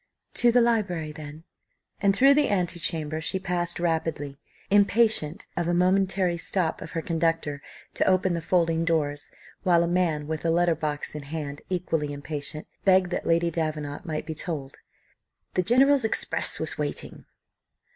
"To the library then." And through the antechamber she passed rapidly, impatient of a momentary stop of her conductor to open the folding doors, while a man, with a letter box in hand, equally impatient, begged that Lady Davenant might be told, "The General's express was waiting."